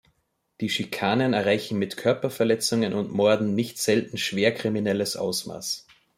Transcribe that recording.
Die Schikanen erreichen mit Körperverletzungen und Morden nicht selten schwer kriminelles Ausmaß.